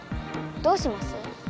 どうします？